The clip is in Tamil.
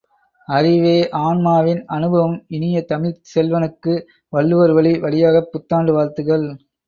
அறிவே ஆன்மாவின் அனுபவம் இனிய தமிழ்ச் செல்வனுக்கு, வள்ளுவர் வழி வழியாகப் புத்தாண்டு வாழ்த்துகள்!